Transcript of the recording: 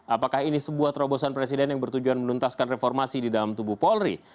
apakah ini sebuah terobosan presiden yang bertujuan menuntaskan reformasi di dalam tubuh polri